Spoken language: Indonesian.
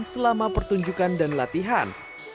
selama pertunjukan dan latihan